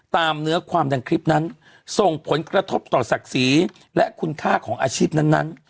เนื้อความดังคลิปนั้นส่งผลกระทบต่อศักดิ์ศรีและคุณค่าของอาชีพนั้น